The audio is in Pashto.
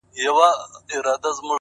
سپوږمۍ له ځانه څخه ورکه نه شې;